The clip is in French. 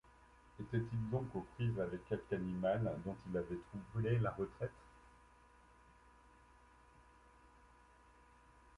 Était-il donc aux prises avec quelque animal dont il avait troublé la retraite